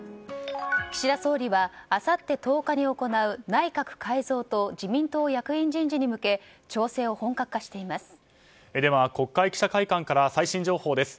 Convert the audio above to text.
岸田総理はあさって１０日に行う内閣改造と自民党役員人事に向け調整を本格化しています。